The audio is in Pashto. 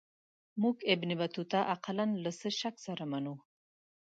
موږ ابن بطوطه اقلا له څه شک سره منو.